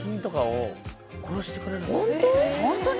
ホントに？